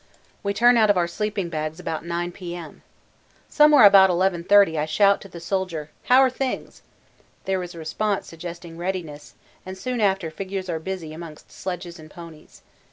We turn out of our sleeping bags about 9 P.M. Somewhere about 11.30 I shout to the Soldier 'How are things?' There is a response suggesting readiness, and soon after figures are busy amongst sledges and ponies.